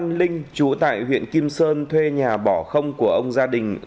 nên linh chúa tại huyện kim sơn thuê nhà bỏ không của ông gia đình